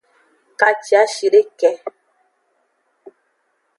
Kaciashideke.